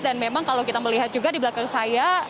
dan memang kalau kita melihat juga di belakang saya